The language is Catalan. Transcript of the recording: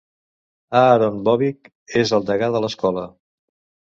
Aaron Bobick és el degà de l'escola.